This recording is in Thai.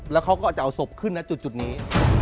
แล้วเขาก็จะเอาศพขึ้นนะจุดนี้